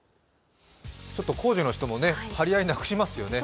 工事の人も張り合いなくしますよね。